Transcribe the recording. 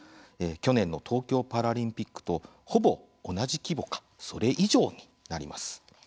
去年の東京パラリンピックとほぼ同じ規模かそれ以上になります。